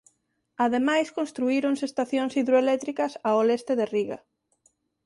Ademais construíronse estacións hidroeléctricas ao leste de Riga.